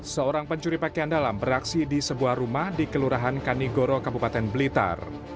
seorang pencuri pakaian dalam beraksi di sebuah rumah di kelurahan kanigoro kabupaten blitar